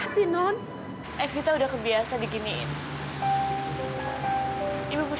tapi non evita udah kebiasaan nanti aku akan berubah